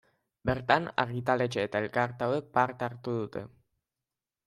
Bertan, argitaletxe eta elkarte hauek parte hartu dute.